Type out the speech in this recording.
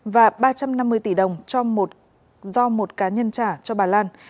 và ba trăm năm mươi tỷ đồng do một cá nhân trả cho bà lan